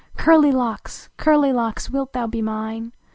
Curlv Locks! Curly Locks. wilt thou be mine?